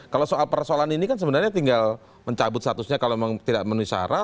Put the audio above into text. kalau soal persoalan ini kan sebenarnya tinggal mencabut statusnya kalau memang tidak menuhi syarat